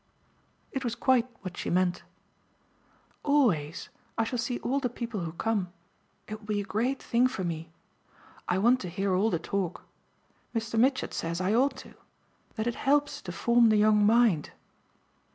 It was quite what she meant. "Always. I shall see all the people who come. It will be a great thing for me. I want to hear all the talk. Mr. Mitchett says I ought to that it helps to form the young mind.